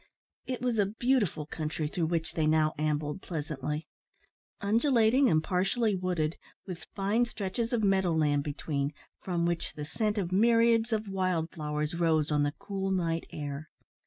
It was a beautiful country through which they now ambled pleasantly. Undulating and partially wooded, with fine stretches of meadow land between, from which the scent of myriads of wild flowers rose on the cool night air.